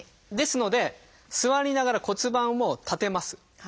ですので座りながら骨盤を立てます。